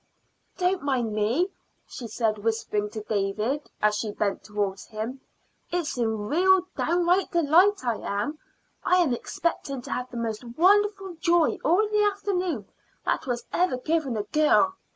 "Don't mind me," she said, whispering to David as she bent towards him. "It's in real downright delight I am. I am expecting to have the most wonderful joy all the afternoon that was ever given a girl.